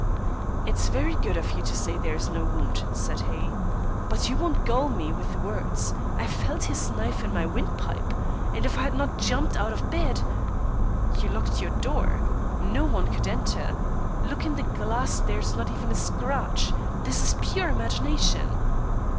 "It's very good of you to say there is no wound," said he. "But you won't gull me with words. I felt his knife in my windpipe, and if I had not jumped out of bed " "You locked your door. No one could enter. Look in the glass, there is not even a scratch. This is pure imagination."